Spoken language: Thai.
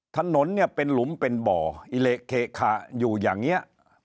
ถนนเนี่ยเป็นหลุมเป็นบ่ออิเละเขะอยู่อย่างนี้